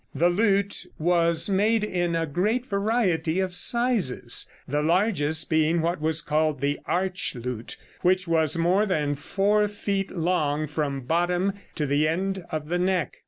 The lute was made in a great variety of sizes, the largest being what was called the arch lute, which was more than four feet long from bottom to the end of the neck.